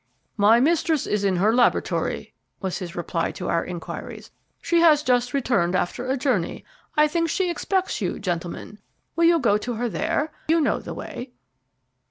"My mistress is in her laboratory," was his reply to our inquiries. "She has just returned after a journey. I think she expects you, gentlemen. Will you go to her there? you know the way."